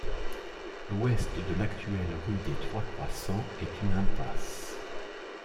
L'ouest de l'actuelle rue des Trois-Croissants est une impasse.